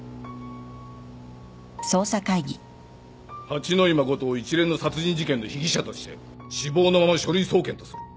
八野衣真を一連の殺人事件の被疑者として死亡のまま書類送検とする。